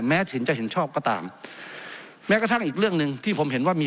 ถึงจะเห็นชอบก็ตามแม้กระทั่งอีกเรื่องหนึ่งที่ผมเห็นว่ามี